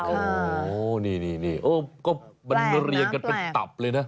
โอ้โหนี่ก็มันเรียงกันเป็นตับเลยนะ